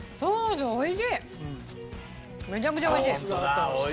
めちゃくちゃ美味しい。